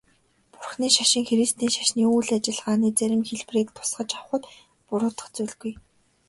Бурханы шашин христийн шашны үйл ажиллагааны зарим хэлбэрийг тусгаж авахад буруудах зүйлгүй.